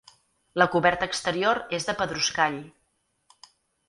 La coberta exterior és de pedruscall.